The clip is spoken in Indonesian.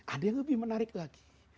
ada yang lebih menarik lagi